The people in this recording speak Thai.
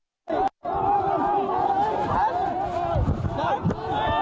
พระบุว่าจะมารับคนให้เดินทางเข้าไปในวัดพระธรรมกาลนะคะ